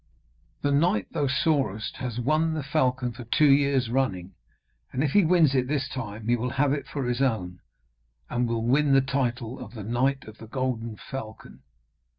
The knight thou sawest has won the falcon two years running, and if he wins it this time he will have it for his own, and will win the title of the Knight of the Golden Falcon.